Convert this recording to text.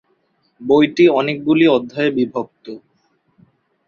বইটি অনেকগুলি অধ্যায়ে বিভক্ত।